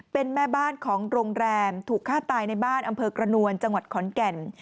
เป็นแม่บ้านของโรงแรมถูกฆ่าตายในบ้านอำเภอกระนวลจังหวัดขอนแก่น